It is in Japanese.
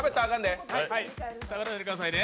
しゃべらないでくださいね。